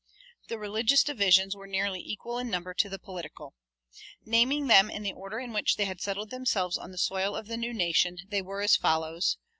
The religious divisions were nearly equal in number to the political. Naming them in the order in which they had settled themselves on the soil of the new nation, they were as follows: 1.